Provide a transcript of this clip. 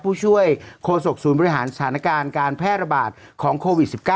ผู้ช่วยโฆษกศูนย์บริหารสถานการณ์การแพร่ระบาดของโควิด๑๙